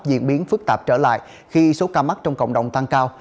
diễn biến phức tạp trở lại khi số ca mắc trong cộng đồng tăng cao